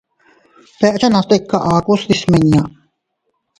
Dekchanas tika, aku se ndi nmiña.